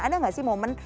ada nggak sih momen